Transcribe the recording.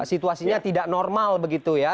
situasinya tidak normal begitu ya